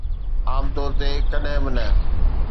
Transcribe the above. عام طور تي ڪڏهن به نه.